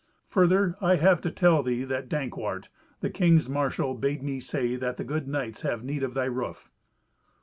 Further, I have to tell thee that Dankwart, the king's marshal, bade me say that the good knights have need of thy roof."